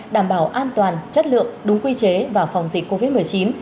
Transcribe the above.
đảm bảo an toàn chất lượng đúng quy chế và phòng dịch covid một mươi chín